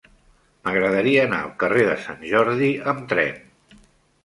M'agradaria anar al carrer de Sant Jordi amb tren.